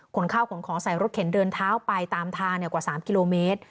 ข้าวขนของใส่รถเข็นเดินเท้าไปตามทางกว่า๓กิโลเมตร